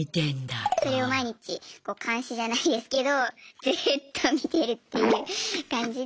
それを毎日監視じゃないですけどずっと見てるっていう感じで。